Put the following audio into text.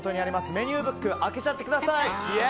メニューブック開けちゃってください！